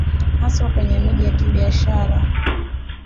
haswa kwenye miji ya kibiashara